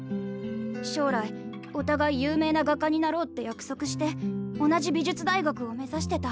将来おたがい有名な画家になろうって約束して同じ美術大学を目指してた。